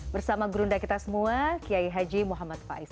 bersama gurunda kita semua kiai haji muhammad faiz